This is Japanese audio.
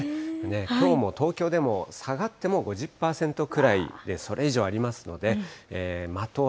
きょうも東京でも下がっても５０％くらいで、それ以上ありますのムシムシ。